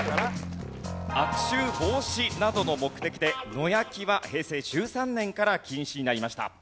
悪臭防止などの目的で野焼きは平成１３年から禁止になりました。